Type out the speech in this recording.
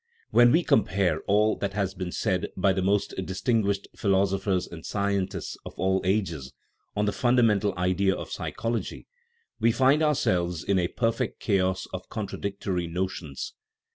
When we compare all that has been said by the most distinguished philosophers and scientists of all ages on the fundamental idea of psychology, we find ourselves in a perfect chaos of contradictory no tions.